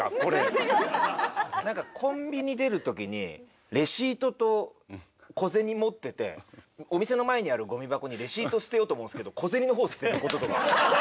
何かコンビニ出るときにレシートと小銭持っててお店の前にあるごみ箱にレシート捨てようと思うんですけど小銭のほう捨てることとか。